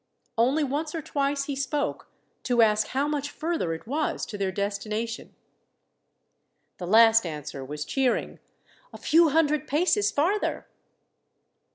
Only once or twice he spoke, to ask how much further it was to their destination. The last answer was cheering: "A few hundred paces farther."